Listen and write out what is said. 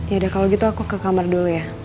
yaudah kalau gitu aku ke kamar dulu ya